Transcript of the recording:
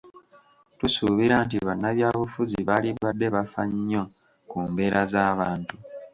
Tusuubira nti bannabyabufuzi baalibadde bafa nnyo ku mbeera z'abantu.